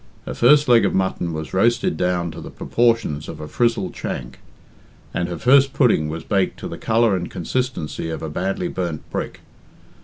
Her first leg of mutton was roasted down to the proportions of a frizzled shank, and her first pudding was baked to the colour and consistency of a badly burnt brick.